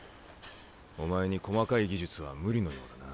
お前に細かい技術は無理のようだな。